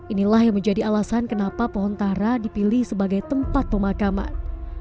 inilah yang menjadi alasan kenapa pohon tara dipilih sebagai tempat pemakaman